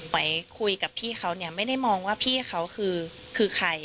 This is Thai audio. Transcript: ไปคุยกับพี่เขาเนี่ยไม่ได้มองว่าพี่เขาคือใคร